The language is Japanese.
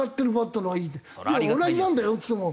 同じなんだよっつっても。